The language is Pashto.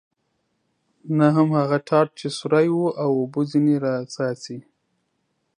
نه هم هغه ټاټ چې سوری و او اوبه ځنې را څاڅي.